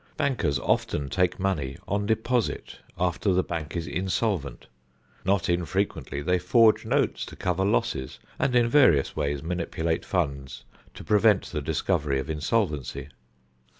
Bankers often take money on deposit after the bank is insolvent. Not infrequently they forge notes to cover losses and in various ways manipulate funds to prevent the discovery of insolvency.